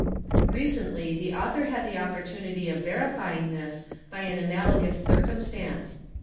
i: Recently the author had the opportunity of verifying this by al analogous circumstance.